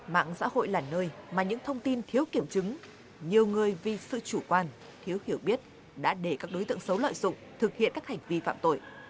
mạng xã hội là nơi mà những thông tin thiếu kiểm chứng nhiều người vì sự chủ quan thiếu hiểu biết đã để các đối tượng xấu lợi dụng thực hiện các hành vi phạm tội